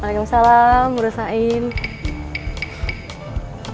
waalaikumsalam bro sain